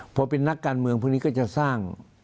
พอเป็นนักการเมืองพวกนี้ก็จะสร้าง